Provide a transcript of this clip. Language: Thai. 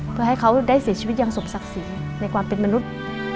เพื่อให้เขาได้เสียชีวิตอย่างสมศักดิ์ศรีในความเป็นมนุษย์